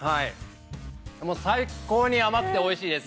もう最高に甘くておいしいです。